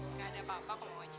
gak ada apa apa kok mak wajo